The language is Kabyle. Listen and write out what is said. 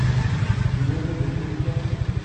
Tzemrem ad d-tasem azekka?